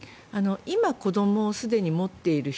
今、子どもをすでに持っている人